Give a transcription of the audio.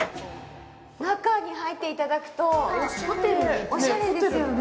中に入っていただくとおしゃれですよね。